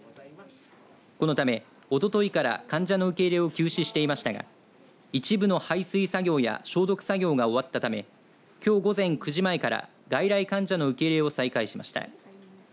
このため、おとといから患者の受け入れを休止していましたが一部の排水作業や消毒作業が終わったためきょう午前９時前から外来患者の受け入れを再開しました。